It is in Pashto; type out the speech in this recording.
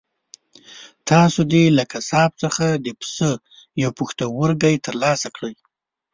تاسو دې له قصاب څخه د پسه یو پښتورګی ترلاسه کړئ.